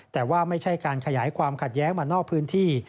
แต่ว่าไม่ใช่การขยายความขัดแย้งมานอกพื้นที่